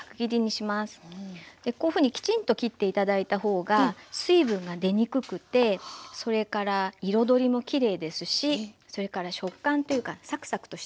でこういうふうにきちんと切って頂いた方が水分が出にくくてそれから彩りもきれいですしそれから食感というかサクサクとした食感も楽しめます。